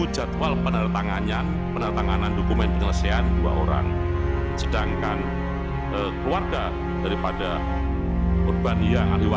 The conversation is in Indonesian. jadwal penertanganan dokumen penyelesaian dua orang sedangkan keluarga daripada urban yang